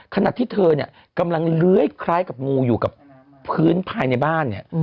ขณะที่เธอเนี่ยกำลังเลื้อยคล้ายกับงูอยู่กับพื้นภายในบ้านเนี่ย